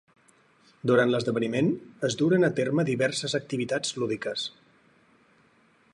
Durant l'esdeveniment es duren a terme diverses activitats lúdiques.